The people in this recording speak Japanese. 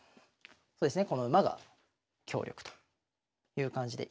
そうですねこの馬が強力という感じで。